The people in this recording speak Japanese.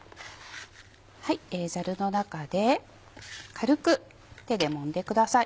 ざるの中で軽く手でもんでください。